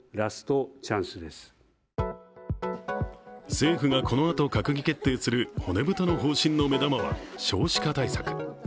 政府がこのあと閣議決定する骨太の方針の目玉は少子化対策。